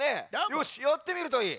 よしやってみるといい。